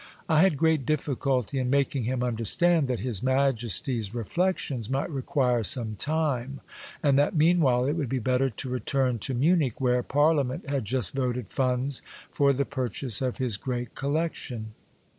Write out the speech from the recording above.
I had great difficulty in making him understand that his Majesty's reflections might require some time, and that meanwhile it would be better to return to The Blind Emperor, 307 Munich, where Parliament had just voted funds for the purchase of his great collection.